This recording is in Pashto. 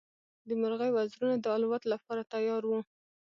د مرغۍ وزرونه د الوت لپاره تیار وو.